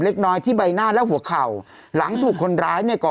เล็กน้อยที่ใบหน้าและหัวเข่าหลังถูกคนร้ายเนี่ยก่อ